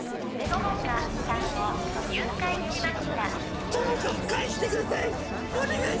友果さんを誘拐しました友果を返してください！